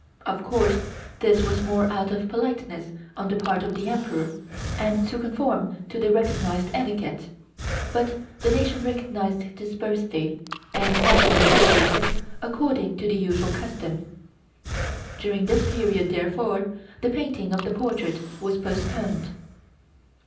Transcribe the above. Of course this was more out of politeness on the part of the Emperor and to conform to the recognized etiquette, but the nation recognized this birthday and naturally celebrated according to the usual custom. During this period, therefore, the painting of the portrait was postponed.